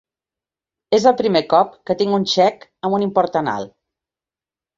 És el primer cop que tinc un xec amb un import tan alt.